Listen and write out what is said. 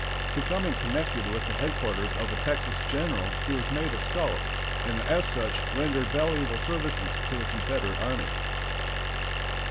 Becoming connected with the headquarters of a Texas general he was made a scout, and as such rendered valuable services to the Confederate army.